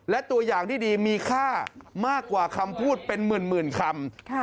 และตัวอย่างที่ดีมีค่ามากกว่าคำพูดเป็นหมื่นคำ